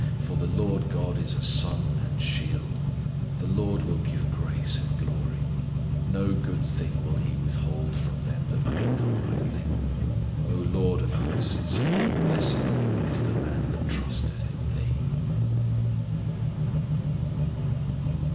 For the LORD GOD is a Sun and Shield: The LORD will give grace and glory: No good thing will He withhold from them that walk uprightly. O LORD of hosts, Blessed is the man that trusteth in Thee!